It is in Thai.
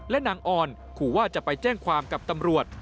และนางออนขู่ว่าจะไปแจ้งความกับตำรวจ